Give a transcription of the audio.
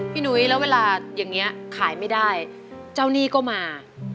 หนุ้ยแล้วเวลาอย่างนี้ขายไม่ได้เจ้าหนี้ก็มา